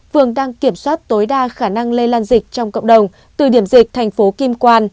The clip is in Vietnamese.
phường đang kiểm soát tối đa khả năng lây lan dịch trong cộng đồng từ điểm dịch thành phố kim quan